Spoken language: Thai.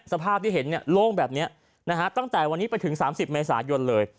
สภาพที่เห็นโล่งแบบนี้นะฮะตั้งแต่วันนี้ไปถึง๓๐เมษายนเลย